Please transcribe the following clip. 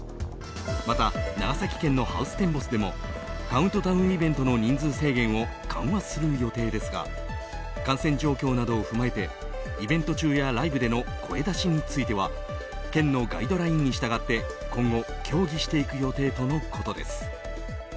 また長崎県のハウステンボスでもカウントダウンイベントの人数制限を緩和する予定ですが感染状況などを踏まえてイベント中やライブでの声出しについては県のガイドラインに従って今後、協議していく予定とのことです。